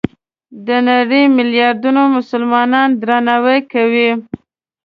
د نړۍ ملیاردونو مسلمانان یې درناوی کوي.